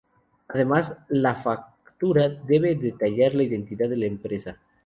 Además, la factura debe detallar la identidad de la empresa.